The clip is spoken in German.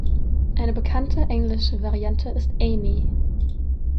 Eine bekannte englische Variante ist Amy.